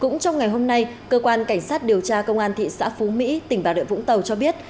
cũng trong ngày hôm nay cơ quan cảnh sát điều tra công an thị xã phú mỹ tỉnh bà rịa vũng tàu cho biết